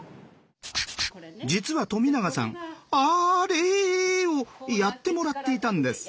実は冨永さん「あれ」をやってもらっていたんです。